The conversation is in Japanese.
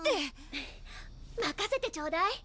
任せてちょうだい。